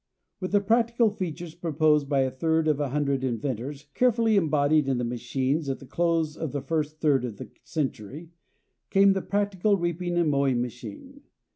With the practical features proposed by a third of a hundred inventors carefully embodied in machines at the close of the first third of the century, came the practical reaping and mowing machine.